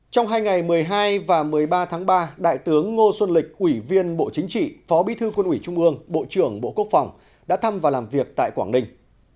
trong hai ngày một mươi hai và một mươi ba tháng ba đại tướng ngô xuân lịch ủy viên bộ chính trị phó bí thư quân ủy trung ương bộ trưởng bộ quốc phòng đã thăm và làm việc tại quảng ninh